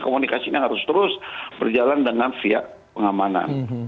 komunikasinya harus terus berjalan dengan via pengamanan